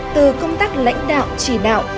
từ công tác lãnh đạo chỉ đạo